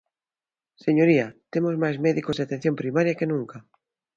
Señoría, temos máis médicos de atención primaria que nunca.